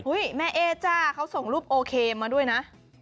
แม่เอ๊จ้าเขาส่งรูปโอเคมาด้วยนะ